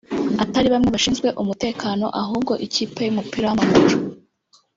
atari bamwe bashinzwe umutekano ahubwo ikipe y’umupira w’amaguru